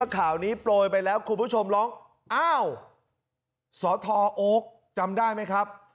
ข่าวนี้โปรยไปแล้วคุณผู้ชมร้องอ้าวสทโอ๊คจำได้ไหมครับ